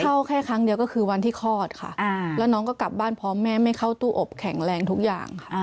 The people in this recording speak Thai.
แค่ครั้งเดียวก็คือวันที่คลอดค่ะแล้วน้องก็กลับบ้านพร้อมแม่ไม่เข้าตู้อบแข็งแรงทุกอย่างค่ะ